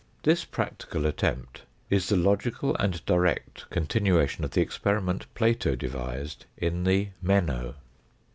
This practical attempt is the logical and direct continuation of the experiment Plato devised in the "Meno."